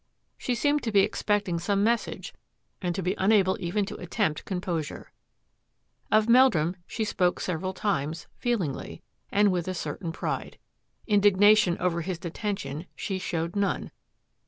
She seemed to be expecting some message and to be unable even to attempt composure. Of Meldrum she spoke several times, feelingly, and with a certain pride. Indignation over his deten tion she showed none.